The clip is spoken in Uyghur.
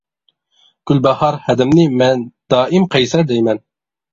گۈلباھار ھەدەمنى مەن دائىم قەيسەر دەيمەن.